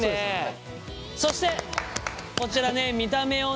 そしてこちらね見た目をね